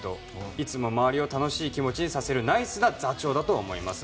いつも周りを楽しい気持ちにさせるナイスな座長だと思います。